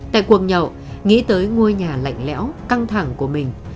tại cuộc nhậu nghĩ tới ngôi nhà lạnh lẽo căng thẳng của mình